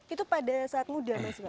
itu pada saat muda mas mbak